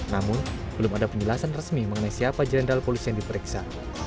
namun belum ada penjelasan resmi mengenai siapa jenderal polisi yang diperiksa